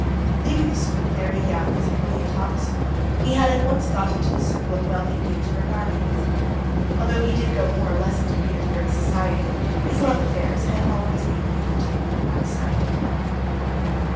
Leaving the school very young as a brilliant officer, he had at once got into the circle of wealthy Petersburg army men. Although he did go more or less into Petersburg society, his love affairs had always hitherto been outside it.